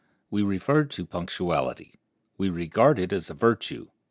We refer to punctuality. We regard it as a virtue.